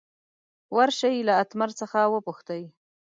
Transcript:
ور شئ له اتمر څخه وپوښتئ.